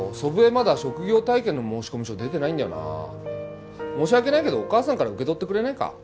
まだ職業体験の申込書出てないんだよな申し訳ないけどお母さんから受け取ってくれないか？